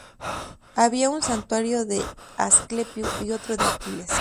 Había un santuario de Asclepio y otro de Aquiles.